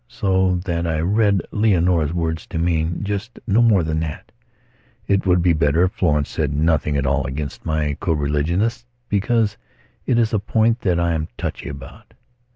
So that I read Leonora's words to mean just no more than: "It would be better if Florence said nothing at all against my co religionists, because it is a point that I am touchy about."